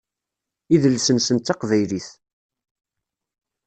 Idles-nsen d taqbaylit.